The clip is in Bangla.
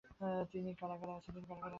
তিনি কারাগারেই আছেন।